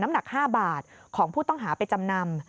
หนัก๕บาทของผู้ต้องหาไปจำนำ